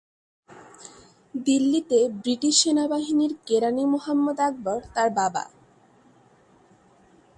দিল্লিতে ব্রিটিশ সেনাবাহিনীর কেরানি মুহাম্মদ আকবর তার বাবা।